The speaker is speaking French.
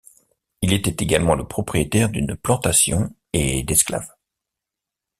Il était également le propriétaire d'une plantation et d'esclaves.